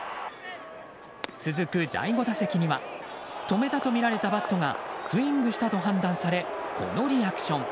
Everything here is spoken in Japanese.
続く第５打席には止めたとみられたバットがスイングしたと判断されこのリアクション。